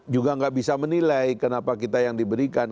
juga nggak bisa menilai kenapa kita yang diberikan